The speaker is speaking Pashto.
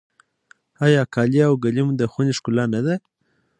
آیا قالي او ګلیم د خونې ښکلا نه ده؟